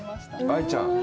愛ちゃん。